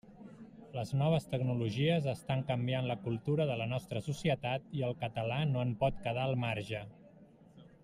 Les noves tecnologies estan canviant la cultura de la nostra societat i el català no en pot quedar al marge.